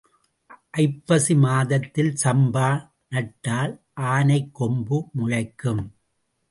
ஐப்பசி மாதத்தில் சம்பா நட்டால் ஆனைக் கொம்பு முளைக்கும்.